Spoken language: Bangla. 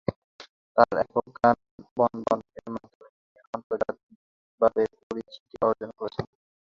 তার একক গান "বনবন"-এর মাধ্যমে তিনি আন্তর্জাতিকভাবে পরিচিতি অর্জন করেছেন।